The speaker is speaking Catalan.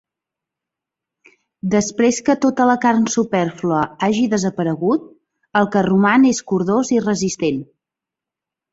Després que tota la carn supèrflua hagi desaparegut, el que roman és cordós i resistent.